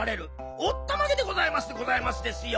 おったまげでございますでございますですよ。